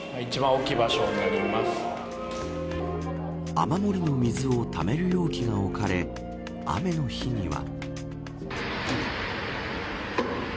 雨漏りの水をためる容器が置かれ雨の日には。